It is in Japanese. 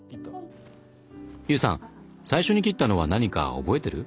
悠さん最初に切ったのは何か覚えてる？